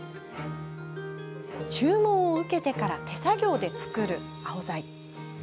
注文を受けてから手作業で作るアオザイ。